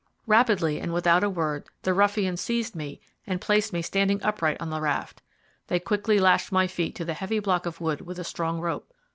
Rapidly, and without a word, the ruffians seized me and placed me standing upright on the raft. They quickly lashed my feet to the heavy block of wood with a strong rope.